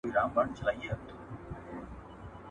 ستا کوڅې یې دي نیولي د رقیب تورو لښکرو !.